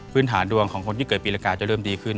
ฐานดวงของคนที่เกิดปีละกาจะเริ่มดีขึ้น